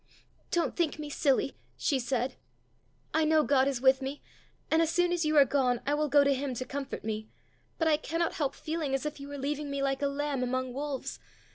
"Don't think me silly," she said. "I know God is with me, and as soon as you are gone I will go to him to comfort me. But I cannot help feeling as if you were leaving me like a lamb among wolves.